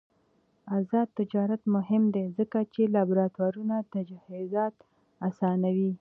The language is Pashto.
آزاد تجارت مهم دی ځکه چې لابراتوار تجهیزات اسانوي.